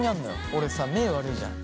俺さ目悪いじゃん？